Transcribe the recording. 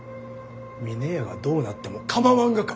峰屋がどうなっても構わんがか！？